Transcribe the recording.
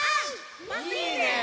いいね！